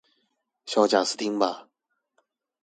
小賈斯汀吧